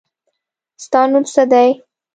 ستا نوم څه دی ؟